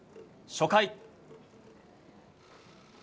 初回。